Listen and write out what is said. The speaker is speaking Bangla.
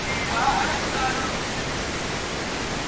বাংলাঘরে নতুন চাদর বিছিয়ে বিছানা করা হলো।